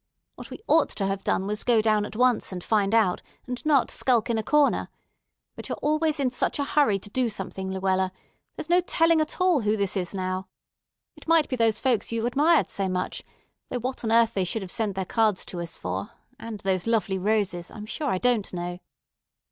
What we ought to have done was to go down at once and find out, and not skulk in a corner. But you're always in such a hurry to do something, Luella. There's no telling at all who this is now. It might be those folks you admired so much, though what on earth they should have sent their cards to us for—and those lovely roses—I'm sure I don't know."